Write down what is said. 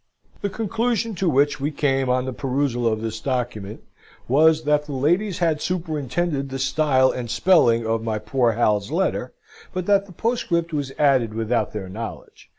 The conclusion to which we came on the perusal of this document was, that the ladies had superintended the style and spelling of my poor Hal's letter, but that the postscript was added without their knowledge.